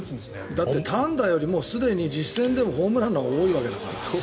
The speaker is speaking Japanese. だって単打よりもすでに実戦でホームランのほうが多いわけだから。